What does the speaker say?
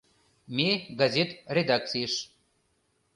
Ме газет редакцийыш